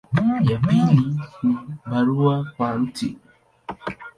Ya pili ni barua kwa Mt.